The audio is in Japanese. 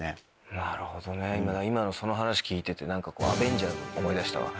なるほどね今その話聞いてて何かアベンジャーズを思い出したわ。